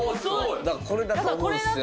これだと思うんすよね。